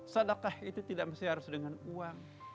sadakah itu tidak mesti harus dengan uang